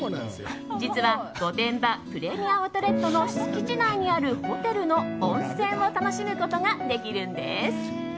実は御殿場プレミアム・アウトレットの敷地内にあるホテルの温泉を楽しむことができるんです。